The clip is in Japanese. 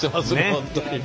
本当にね。